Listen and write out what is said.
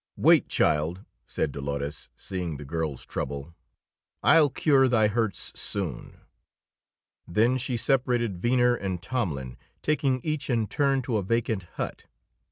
"Wait, child," said Dolores, seeing the girl's trouble. "I'll cure thy hurts soon." Then she separated Venner and Tomlin, taking each in turn to a vacant hut.